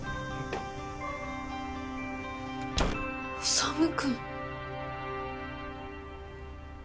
修君。